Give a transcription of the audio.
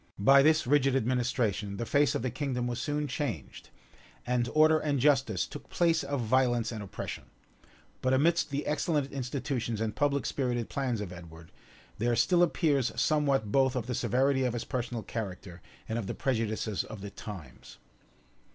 By this rigid administration, the face of the kingdom was soon changed; and order and justice took place of violence and oppression: but amidst the excellent institutions and public spirited plans of Edward, there still appears somewhat both of the severity of his personal character and of the prejudices of the times.